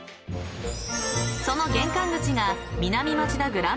［その玄関口が］